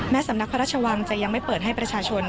สำนักพระราชวังจะยังไม่เปิดให้ประชาชน